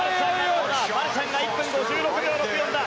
マルシャンが１分５６秒６４だ。